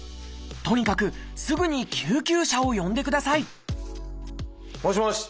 とにかくすぐに救急車を呼んでくださいもしもし。